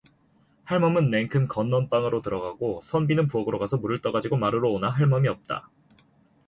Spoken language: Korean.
할멈은 냉큼 건넌방으로 들어가고 선비는 부엌으로 가서 물을 떠가지고 마루로 오나 할멈이 없다.